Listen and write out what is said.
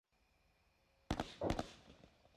程砚秋自称鸳鸯冢是一出伟大的爱情悲剧。